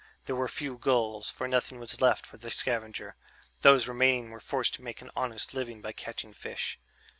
There were few gulls, for nothing was left for the scavenger; those remaining were forced to make an honest living by catching fish.